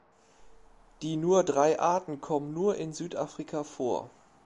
Die nur drei Arten kommen nur in Südafrika vor.